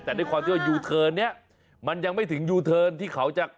แต่ด้วยความที่ว่ายูเทิร์นนี้มันยังไม่ถึงยูเทิร์นที่เขาจะ